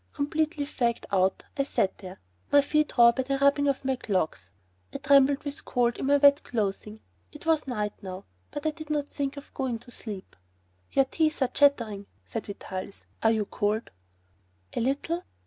Completely fagged out, I sat there, my feet raw by the rubbing of my clogs. I trembled with cold in my wet clothing. It was night now, but I did not think of going to sleep. "Your teeth are chattering," said Vitalis; "are you cold?" "A little."